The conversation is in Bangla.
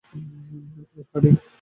তবে, হ্যাঁ, ঠিক।